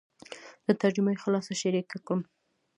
د ترجمې خلاصه شریکه کړم.